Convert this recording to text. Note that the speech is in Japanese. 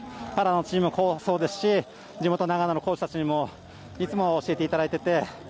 パラのチームもそうですし地元・長野のコーチたちにもいつも教えていただいていて。